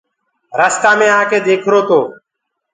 رستآ مي آڪي ديکرو تو